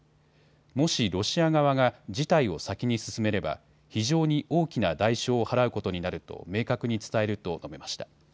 もしロシア側が事態を先に進めれば非常に大きな代償を払うことになると明確に伝えると述べました。